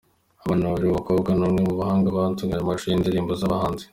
abana babiri b’abakobwa ni umwe mu bahanga batunganya amashusho y’indirimbo z’abahanzi